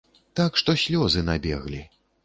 Так, што слёзы набеглі.